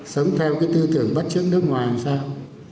sống theo cái tư tưởng bất chấp nước ngoài làm sao